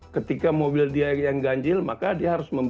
ketika mobil dia yang ganjil maka dia harus membeli